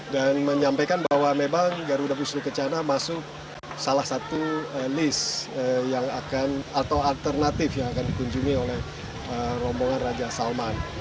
dan menyampaikan bahwa memang garuda wisnu kencana masuk salah satu list yang akan atau alternatif yang akan dikunjungi oleh rombongan raja salman